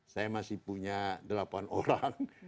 saya masih punya delapan orang